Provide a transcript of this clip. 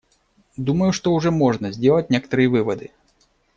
Думаю, что уже можно сделать некоторые выводы.